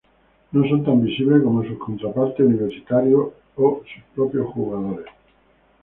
No son tan visibles como sus contrapartes universitarios o sus propios jugadores.